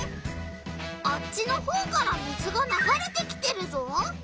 あっちのほうから水がながれてきてるぞ。